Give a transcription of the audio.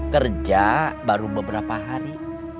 kerja baru beberapa hari